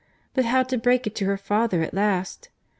—But how to break it to her father at last!